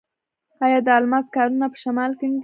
آیا د الماس کانونه په شمال کې نه دي؟